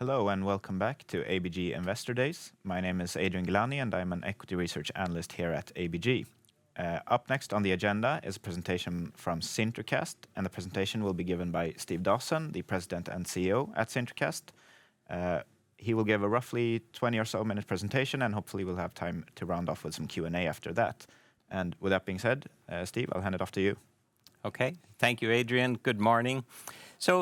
Hello, welcome back to ABG Investor Days. My name is Adnan Gilani, I'm an equity research analyst here at ABG. Up next on the agenda is a presentation from SinterCast, the presentation will be given by Steve Dawson, the President and CEO at SinterCast. He will give a roughly 20-or-so-minute presentation, hopefully we'll have time to round off with some Q&A after that. With that being said, Steve, I'll hand it off to you. Okay. Thank you, Adnan. Good morning.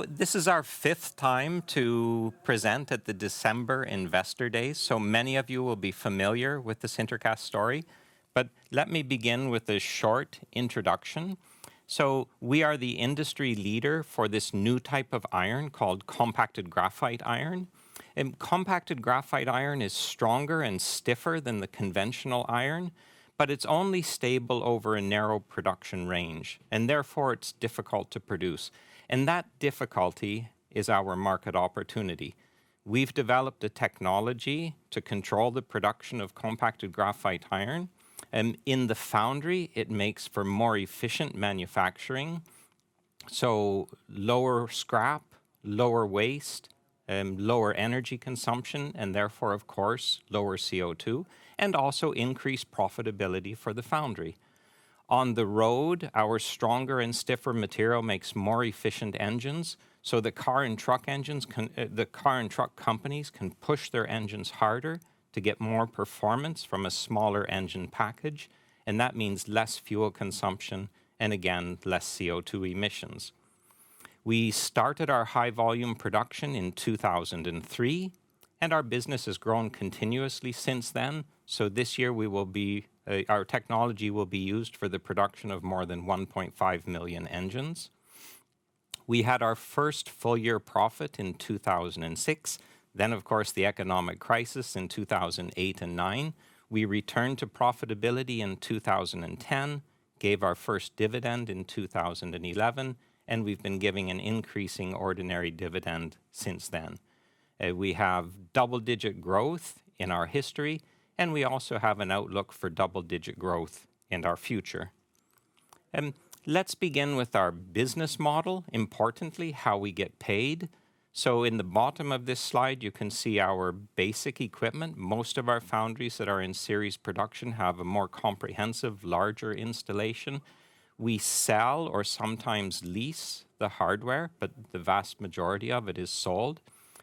This is our fifth time to present at the December Investor Day, so many of you will be familiar with the SinterCast story. Let me begin with a short introduction. We are the industry leader for this new type of iron called Compacted Graphite Iron. Compacted Graphite Iron is stronger and stiffer than the conventional iron, but it's only stable over a narrow production range, and therefore it's difficult to produce. That difficulty is our market opportunity. We've developed a technology to control the production of Compacted Graphite Iron, and in the foundry, it makes for more efficient manufacturing, so lower scrap, lower waste, lower energy consumption and therefore, of course, lower CO2, and also increased profitability for the foundry. On the road, our stronger and stiffer material makes more efficient engines, so the car and truck companies can push their engines harder to get more performance from a smaller engine package, and that means less fuel consumption and again, less CO2 emissions. We started our high-volume production in 2003, and our business has grown continuously since then, so this year our technology will be used for the production of more than 1.5 million engines. We had our first full-year profit in 2006. Of course, the economic crisis in 2008 and 2009. We returned to profitability in 2010, gave our first dividend in 2011, and we've been giving an increasing ordinary dividend since then. We have double-digit growth in our history, and we also have an outlook for double-digit growth in our future. Let's begin with our business model, importantly, how we get paid. In the bottom of this slide, you can see our basic equipment. Most of our foundries that are in series production have a more comprehensive, larger installation. We sell or sometimes lease the hardware, but the vast majority of it is sold.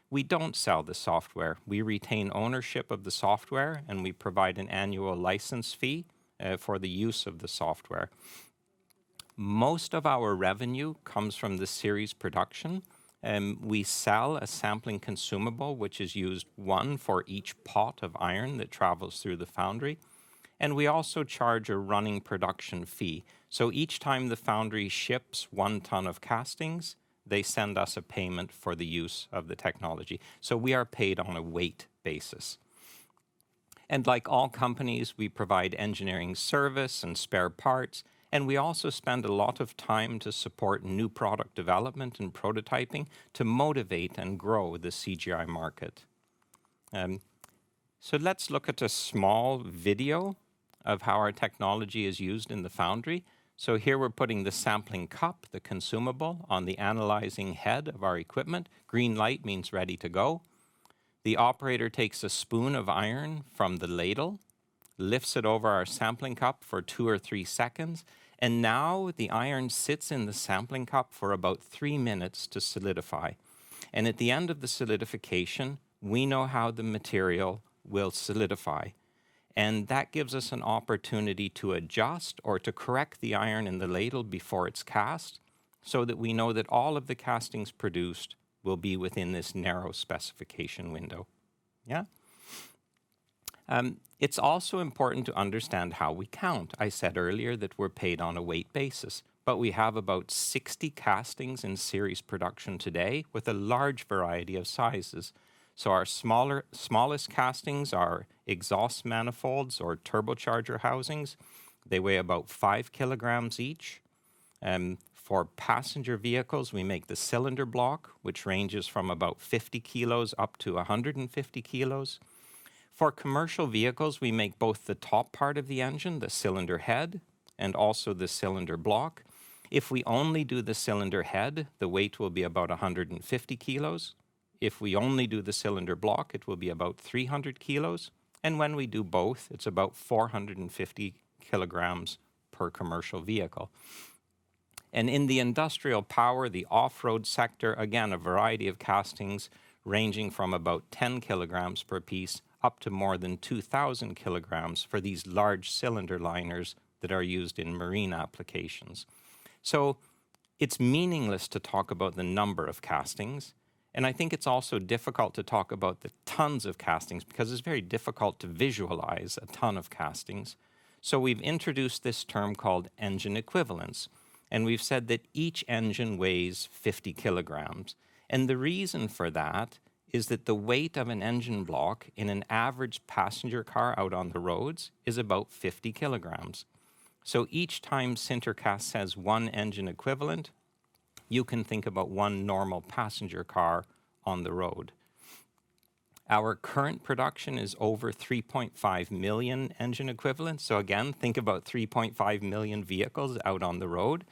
We don't sell the software. We retain ownership of the software, and we provide an annual license fee for the use of the software. Most of our revenue comes from the series production, we sell a sampling consumable, which is used, one for each pot of iron that travels through the foundry. We also charge a running production fee. Each time the foundry ships 1 ton of castings, they send us a payment for the use of the technology. We are paid on a weight basis. Like all companies, we provide engineering service and spare parts, and we also spend a lot of time to support new product development and prototyping to motivate and grow the CGI market. Let's look at a small video of how our technology is used in the foundry. Here we're putting the sampling cup, the consumable, on the analyzing head of our equipment. Green light means ready to go. The operator takes a spoon of iron from the ladle, lifts it over our sampling cup for two or three seconds, and now the iron sits in the sampling cup for about three minutes to solidify. At the end of the solidification, we know how the material will solidify. That gives us an opportunity to adjust or to correct the iron in the ladle before it's cast so that we know that all of the castings produced will be within this narrow specification window. It's also important to understand how we count. I said earlier that we're paid on a weight basis, but we have about 60 castings in series production today with a large variety of sizes. Our smallest castings are exhaust manifolds or turbocharger housings. They weigh about 5 kg each. For passenger vehicles, we make the cylinder block, which ranges from about 50 kilos up to 150 kilos. For commercial vehicles, we make both the top part of the engine, the cylinder head, and also the cylinder block. If we only do the cylinder head, the weight will be about 150 k. If we only do the cylinder block, it will be about 300 k. When we do both, it's about 450 kilograms per commercial vehicle. In the industrial power, the off-road sector, again, a variety of castings ranging from about 10 kg per piece up to more than 2,000 kg for these large cylinder liners that are used in marine applications. It's meaningless to talk about the number of castings, and I think it's also difficult to talk about the tons of castings because it's very difficult to visualize a ton of castings. We've introduced this term called Engine Equivalent, and we've said that each engine weighs 50 kg. The reason for that is that the weight of an engine block in an average passenger car out on the roads is about 50 kilograms. Each time SinterCast has one engine equivalent, you can think about one normal passenger car on the road. Our current production is over 3.5 million engine equivalents. Again, think about 3.5 million vehicles out on the road.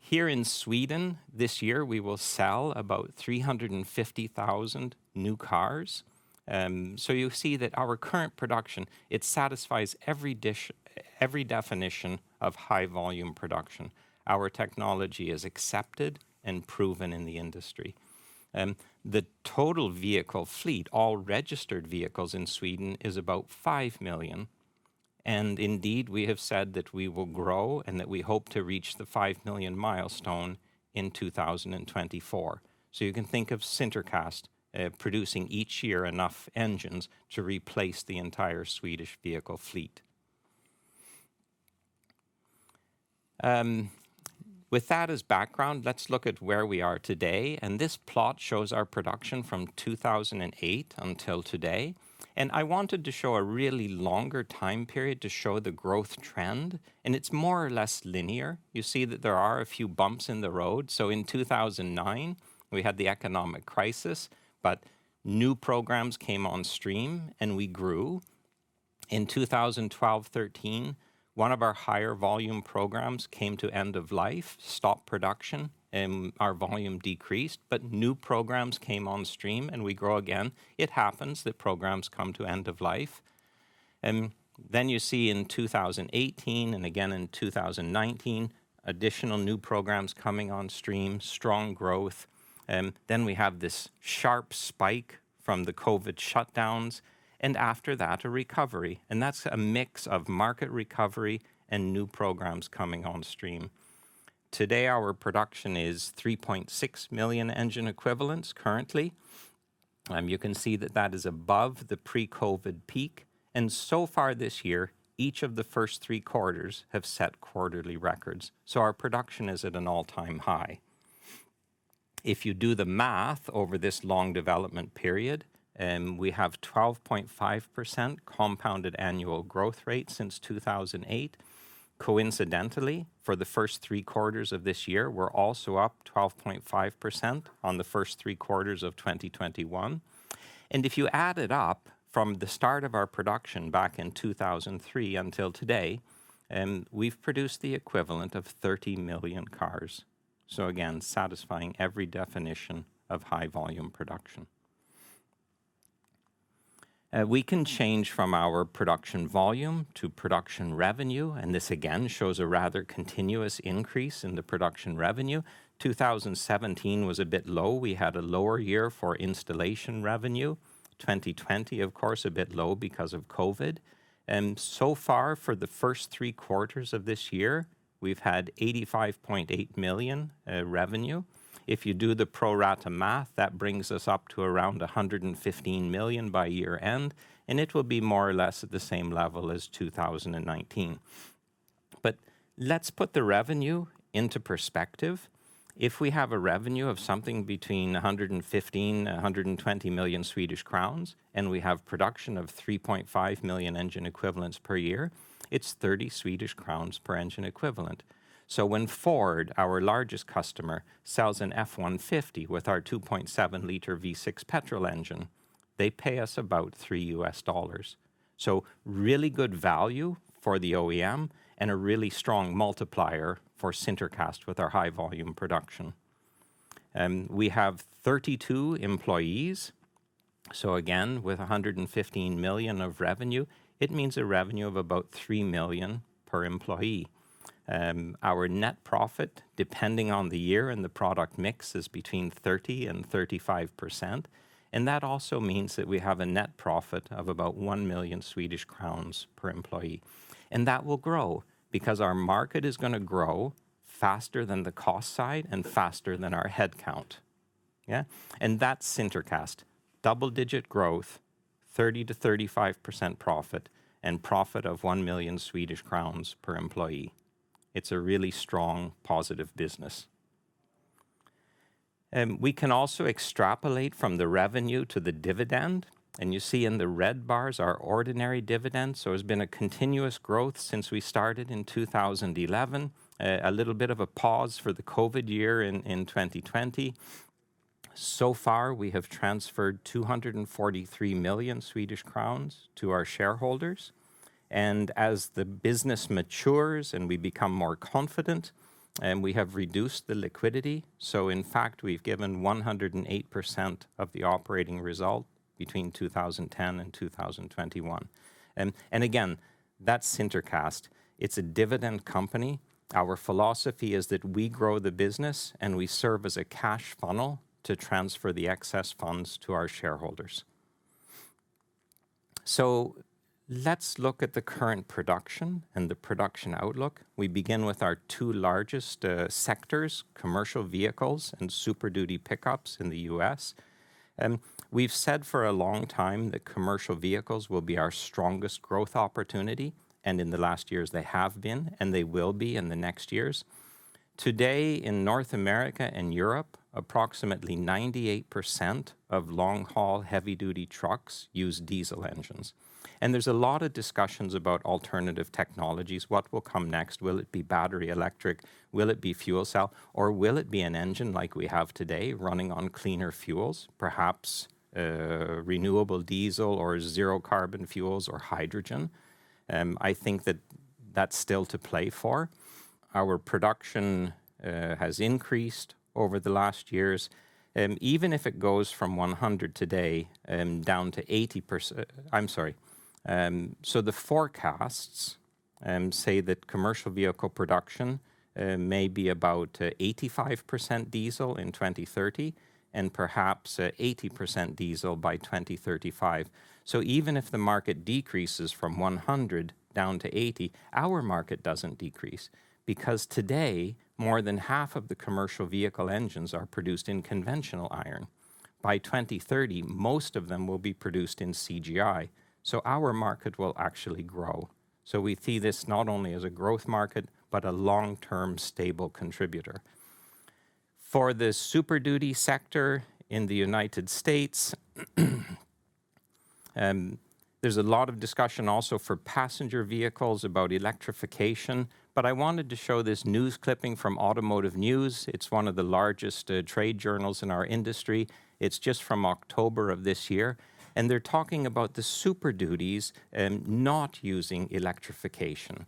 Here in Sweden this year, we will sell about 350,000 new cars. You see that our current production, it satisfies every definition of high volume production. Our technology is accepted and proven in the industry. The total vehicle fleet, all registered vehicles in Sweden, is about 5 million. Indeed, we have said that we will grow and that we hope to reach the 5 million milestone in 2024. You can think of SinterCast producing each year enough engines to replace the entire Swedish vehicle fleet. With that as background, let's look at where we are today, this plot shows our production from 2008 until today. I wanted to show a really longer time period to show the growth trend, it's more or less linear. You see that there are a few bumps in the road. In 2009, we had the economic crisis, new programs came on stream, we grew. In 2012, 2013, one of our higher volume programs came to end of life, stopped production, our volume decreased, new programs came on stream, we grow again. It happens that programs come to end of life. You see in 2018 and again in 2019, additional new programs coming on stream, strong growth. We have this sharp spike from the COVID shutdowns, and after that, a recovery. That's a mix of market recovery and new programs coming on stream. Today, our production is 3.6 million Engine Equivalents currently. You can see that that is above the pre-COVID peak. So far this year, each of the first three quarters have set quarterly records. Our production is at an all-time high. If you do the math over this long development period, we have 12.5% compounded annual growth rate since 2008. Coincidentally, for the first three quarters of this year, we're also up 12.5% on the first three quarters of 2021. If you add it up from the start of our production back in 2003 until today, we've produced the equivalent of 30 million cars. Again, satisfying every definition of high-volume production. We can change from our production volume to production revenue. This again shows a rather continuous increase in the production revenue. 2017 was a bit low. We had a lower year for installation revenue. 2020, of course, a bit low because of COVID. So far, for the first three quarters of this year, we've had 85.8 million revenue. If you do the pro-rata math, that brings us up to around 115 million by year-end, and it will be more or less at the same level as 2019. Let's put the revenue into perspective. If we have a revenue of something between 115 million-120 million Swedish crowns, and we have production of 3.5 million Engine Equivalents per year, it's 30 Swedish crowns per Engine Equivalent. When Ford, our largest customer, sells an F-150 with our 2.7-liter V6 gasoline engine, they pay us about $3. Really good value for the OEM and a really strong multiplier for SinterCast with our high volume production. We have 32 employees. Again, with 115 million of revenue, it means a revenue of about 3 million per employee. Our net profit, depending on the year and the product mix, is between 30%-35%. That also means that we have a net profit of about 1 million Swedish crowns per employee. That will grow because our market is gonna grow faster than the cost side and faster than our head count. That's SinterCast, double-digit growth, 30%-35% profit, and profit of 1 million Swedish crowns per employee. It's a really strong, positive business. We can also extrapolate from the revenue to the dividend. You see in the red bars our ordinary dividends. It's been a continuous growth since we started in 2011. A little bit of a pause for the COVID year in 2020. So far, we have transferred 243 million Swedish crowns to our shareholders. As the business matures and we become more confident, we have reduced the liquidity. In fact, we've given 108% of the operating result between 2010 and 2021. Again, that's SinterCast. It's a dividend company. Our philosophy is that we grow the business, and we serve as a cash funnel to transfer the excess funds to our shareholders. Let's look at the current production and the production outlook. We begin with our two largest sectors, commercial vehicles and Super Duty pickups in the US. We've said for a long time that commercial vehicles will be our strongest growth opportunity, and in the last years they have been, and they will be in the next years. Today in North America and Europe, approximately 98% of long-haul heavy duty trucks use diesel engines. There's a lot of discussions about alternative technologies. What will come next? Will it be battery electric? Will it be fuel cell? Or will it be an engine like we have today running on cleaner fuels, perhaps, renewable diesel or zero-carbon fuels or hydrogen? I think that that's still to play for. Our production has increased over the last years, even if it goes from 100 today, down to 80. The forecasts say that commercial vehicle production may be about 85% diesel in 2030 and perhaps 80% diesel by 2035. Even if the market decreases from 100 down to 80, our market doesn't decrease because today, more than half of the commercial vehicle engines are produced in conventional iron. By 2030, most of them will be produced in CGI, our market will actually grow. We see this not only as a growth market, but a long-term stable contributor. For the Super Duty sector in the United States, there's a lot of discussion also for passenger vehicles about electrification, but I wanted to show this news clipping from Automotive News. It's one of the largest trade journals in our industry. It's just from October of this year, they're talking about the Super Duties not using electrification.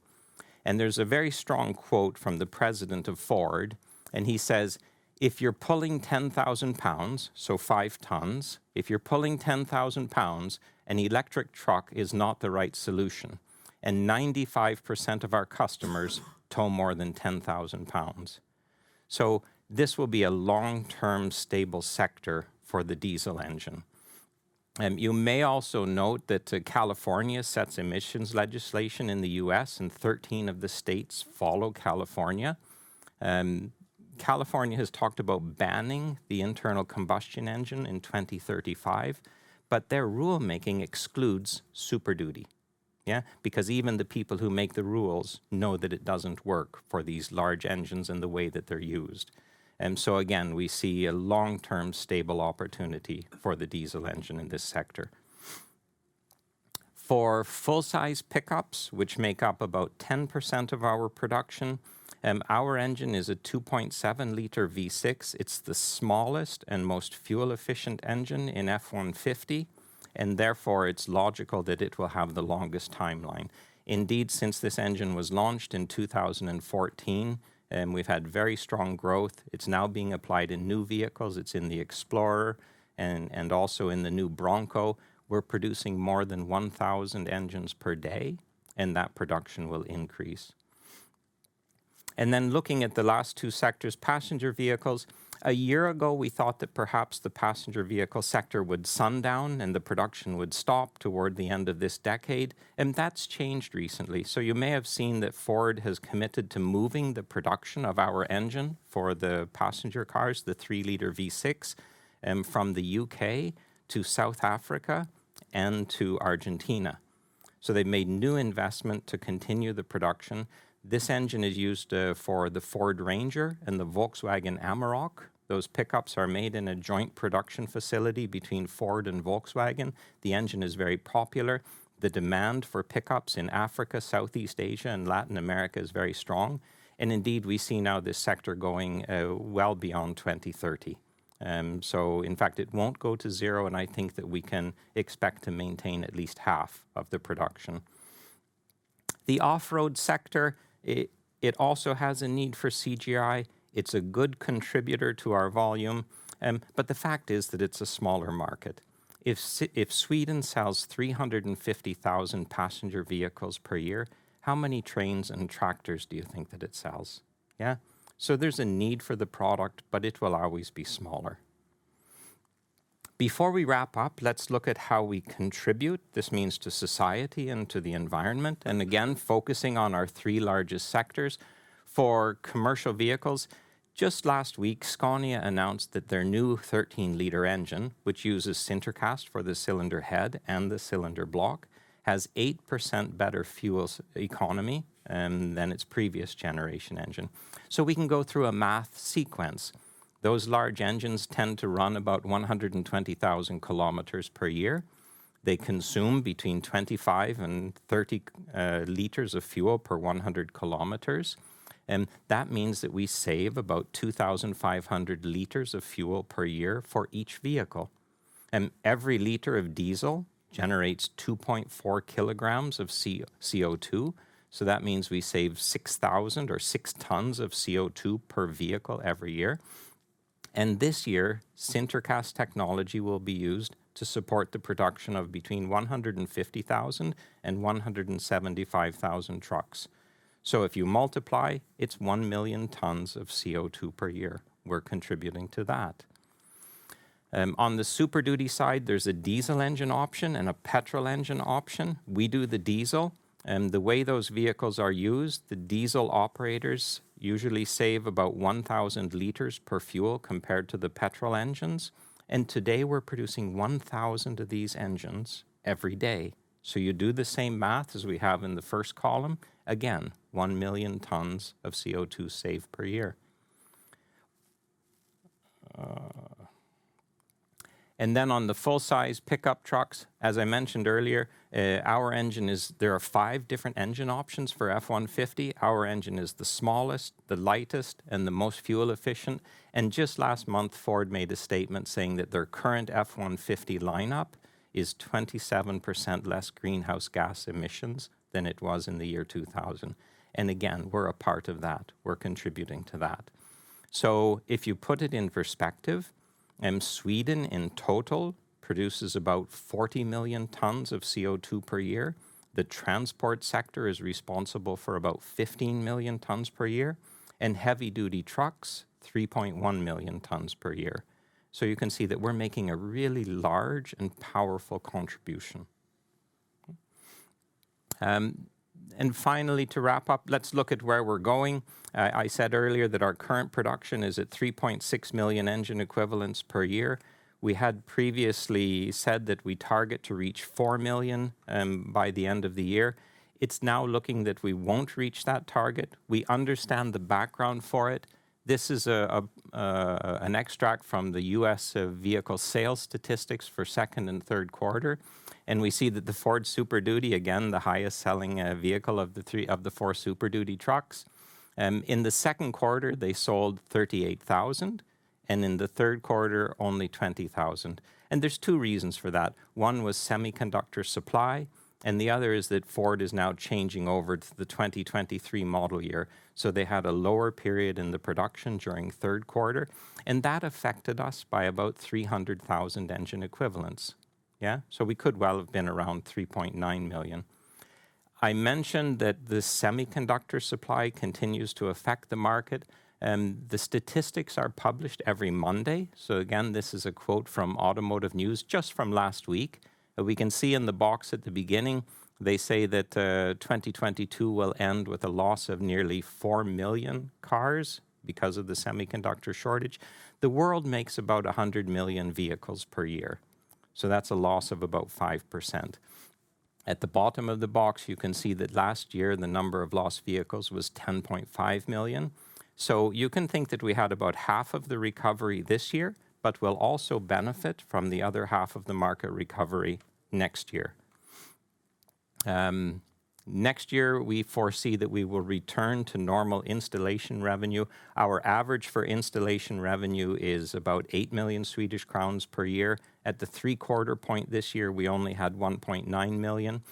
There's a very strong quote from the president of Ford, he says, "If you're pulling 10,000 pounds," so 5 tons, "If you're pulling 10,000 pounds, an electric truck is not the right solution, and 95% of our customers tow more than 10,000 pounds." This will be a long-term stable sector for the diesel engine. You may also note that California sets emissions legislation in the U.S., 13 of the states follow California. California has talked about banning the internal combustion engine in 2035, their rulemaking excludes Super Duty, yeah. Even the people who make the rules know that it doesn't work for these large engines and the way that they're used. Again, we see a long-term stable opportunity for the diesel engine in this sector. For full-size pickups, which make up about 10% of our production, our engine is a 2.7-L V6. It's the smallest and most fuel-efficient engine in F-150, therefore it's logical that it will have the longest timeline. Indeed, since this engine was launched in 2014, we've had very strong growth. It's now being applied in new vehicles. It's in the Explorer and also in the new Bronco. We're producing more than 1,000 engines per day, that production will increase. Looking at the last two sectors, passenger vehicles. A year ago, we thought that perhaps the passenger vehicle sector would sundown, the production would stop toward the end of this decade, and that's changed recently. You may have seen that Ford has committed to moving the production of our engine for the passenger cars, the three-liter V6, from the U.K. to South Africa and to Argentina. They've made new investment to continue the production. This engine is used for the Ford Ranger and the Volkswagen Amarok. Those pickups are made in a joint production facility between Ford and Volkswagen. The engine is very popular. The demand for pickups in Africa, Southeast Asia, and Latin America is very strong. Indeed, we see now this sector going well beyond 2030. In fact, it won't go to zero, and I think that we can expect to maintain at least half of the production. The off-road sector, it also has a need for CGI. It's a good contributor to our volume, but the fact is that it's a smaller market. If Sweden sells 350,000 passenger vehicles per year, how many trains and tractors do you think that it sells? Yeah. There's a need for the product, but it will always be smaller. Before we wrap up, let's look at how we contribute. This means to society and to the environment, again, focusing on our three largest sectors. For commercial vehicles, just last week, Scania announced that their new 13-liter engine, which uses SinterCast for the cylinder head and the cylinder block, has 8% better fuel economy than its previous generation engine. We can go through a math sequence. Those large engines tend to run about 120,000 km per year. They consume between 25 and 30 liters of fuel per 100 km, that means that we save about 2,500 L of fuel per year for each vehicle. Every liter of diesel generates 2.4 kg of CO2, that means we save 6,000 or 6 tons of CO2 per vehicle every year. This year, SinterCast technology will be used to support the production of between 150,000 and 175,000 trucks. If you multiply, it's 1 million tons of CO2 per year we're contributing to that. On the Super Duty side, there's a diesel engine option and a petrol engine option. We do the diesel, and the way those vehicles are used, the diesel operators usually save about 1,000 liters per fuel compared to the petrol engines. Today, we're producing 1,000 of these engines every day. You do the same math as we have in the first column. Again, 1 million tons of CO2 saved per year. On the full size pickup trucks, as I mentioned earlier, there are five different engine options for F-150. Our engine is the smallest, the lightest, and the most fuel efficient. Just last month, Ford made a statement saying that their current F-150 lineup is 27% less greenhouse gas emissions than it was in the year 2000. Again, we're a part of that. We're contributing to that. If you put it in perspective, Sweden in total produces about 40 million tons of CO2 per year. The transport sector is responsible for about 15 million tons per year, and heavy duty trucks 3.1 million tons per year. You can see that we're making a really large and powerful contribution. Finally to wrap up, let's look at where we're going. I said earlier that our current production is at 3.6 million Engine Equivalents per year. We had previously said that we target to reach 4 million by the end of the year. It's now looking that we won't reach that target. We understand the background for it. This is an extract from the U.S. vehicle sales statistics for second and third quarter. We see that the Ford Super Duty, again, the highest selling vehicle of the four Super Duty trucks. In the second quarter, they sold 38,000, and in the third quarter, only 20,000. There's two reasons for that. One was semiconductor supply, and the other is that Ford is now changing over to the 2023 model year, so they had a lower period in the production during third quarter, and that affected us by about 300,000 Engine Equivalents. Yeah. We could well have been around 3.9 million. I mentioned that the semiconductor supply continues to affect the market. Again, this is a quote from Automotive News just from last week. We can see in the box at the beginning, they say that 2022 will end with a loss of nearly 4 million cars because of the semiconductor shortage. The world makes about 100 million vehicles per year, so that's a loss of about 5%. At the bottom of the box, you can see that last year the number of lost vehicles was 10.5 million. You can think that we had about half of the recovery this year, but we'll also benefit from the other half of the market recovery next year. Next year we foresee that we will return to normal installation revenue. Our average for installation revenue is about 8 million Swedish crowns per year. At the three-quarter point this year, we only had 1.9 million.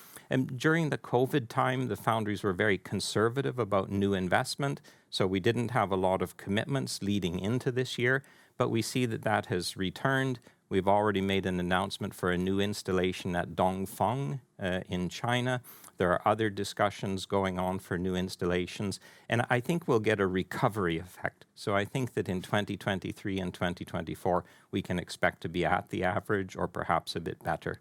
During the COVID time, the foundries were very conservative about new investment, so we didn't have a lot of commitments leading into this year, but we see that that has returned. We've already made an announcement for a new installation at Dongfeng, in China. There are other discussions going on for new installations, and I think we'll get a recovery effect. I think that in 2023 and 2024, we can expect to be at the average or perhaps a bit better.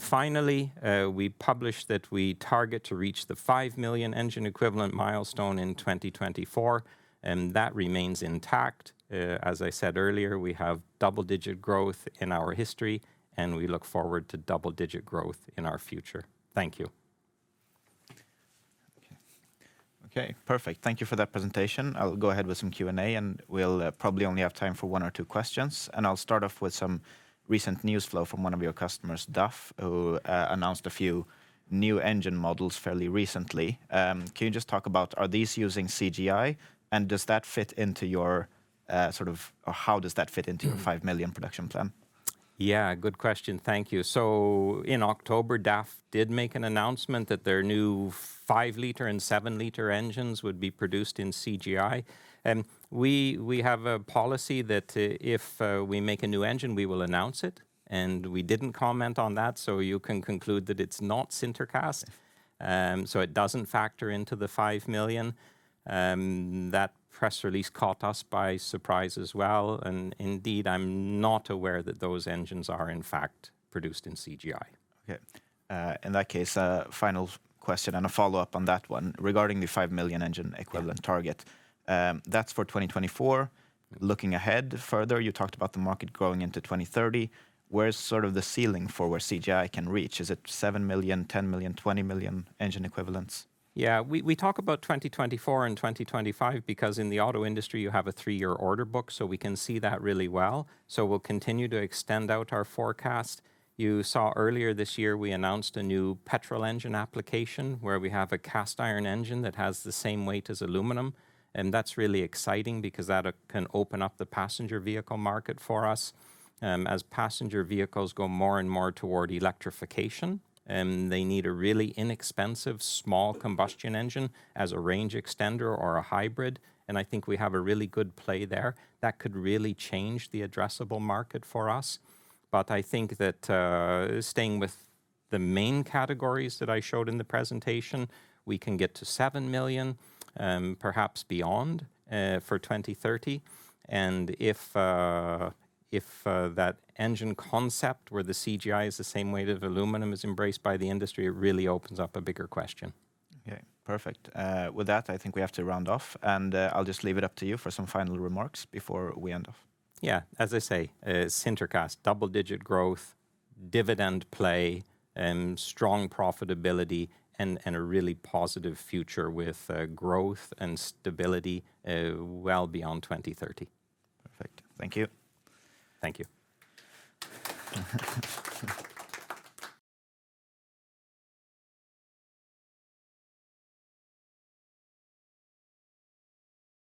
Finally, we published that we target to reach the 5 million Engine Equivalent milestone in 2024, and that remains intact. As I said earlier, we have double-digit growth in our history, and we look forward to double-digit growth in our future. Thank you. Okay, perfect. Thank you for that presentation. I'll go ahead with some Q&A, and we'll probably only have time for one or two questions. I'll start off with some recent news flow from one of your customers, DAF, who announced a few new engine models fairly recently. Can you just talk about are these using CGI, or how does that fit into your 5 million production plan? Yeah, good question. Thank you. In October, DAF did make an announcement that their new five-liter and seven-liter engines would be produced in CGI. We have a policy that, if we make a new engine, we will announce it, and we didn't comment on that, so you can conclude that it's not SinterCast, so it doesn't factor into the 5 million. That press release caught us by surprise as well and indeed, I'm not aware that those engines are in fact produced in CGI. Okay. In that case, a final question and a follow-up on that one regarding the 5 million Engine Equivalent target. That's for 2024. Looking ahead further, you talked about the market growing into 2030. Where's sort of the ceiling for where CGI can reach? Is it 7 million, 10 million, 20 million Engine Equivalents? Yeah. We talk about 2024 and 2025 because in the auto industry you have a three-year order book, so we can see that really well. We'll continue to extend out our forecast. You saw earlier this year we announced a new petrol engine application where we have a cast iron engine that has the same weight as aluminum, and that's really exciting because that can open up the passenger vehicle market for us. As passenger vehicles go more and more toward electrification, they need a really inexpensive small combustion engine as a range extender or a hybrid, and I think we have a really good play there. That could really change the addressable market for us. I think that, staying with the main categories that I showed in the presentation, we can get to 7 million, perhaps beyond, for 2030. If that engine concept where the CGI is the same weight of aluminum is embraced by the industry, it really opens up a bigger question. Okay, perfect. With that, I think we have to round off and I'll just leave it up to you for some final remarks before we end off. Yeah. As I say, SinterCast, double-digit growth, dividend play, strong profitability and a really positive future with growth and stability, well beyond 2030. Perfect. Thank you. Thank you.